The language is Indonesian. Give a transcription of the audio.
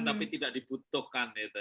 tapi tidak dibutuhkan